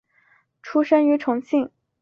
出生于重庆。